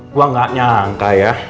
gua gak nyangka ya